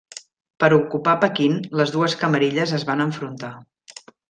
Per ocupar Pequín les dues camarilles es van enfrontar.